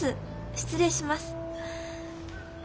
失礼します。